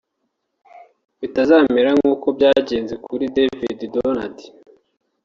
bitazamera nkuko byagenze kuri David Donadei